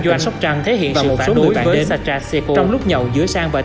và một số người bạn đến